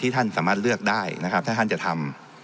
ท่านสามารถเลือกได้นะครับถ้าท่านจะทำ